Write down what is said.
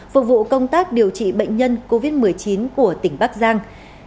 phục vụ công tác điều trị bệnh nhân covid một mươi chín của tỉnh bắc giang